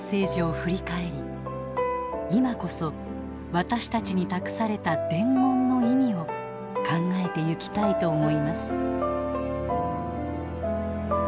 今こそ私たちに託された「伝言」の意味を考えてゆきたいと思います。